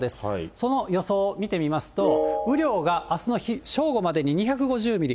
その予想、見てみますと、雨量があすの正午までに２５０ミリ。